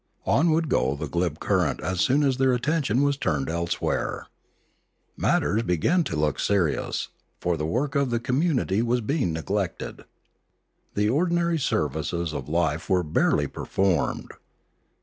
On would go the glib current as soon as their attention was turned elsewhere. Matters began to look serious, for the work of the community was being neglected. The ordinary services of life were barely performed.